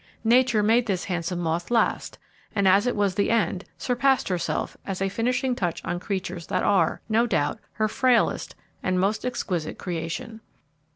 Nature made this handsome moth last, and as it was the end, surpassed herself as a finishing touch on creatures that are, no doubt, her frailest and most exquisite creation.